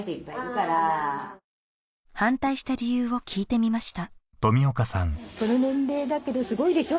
反対した理由を聞いてみました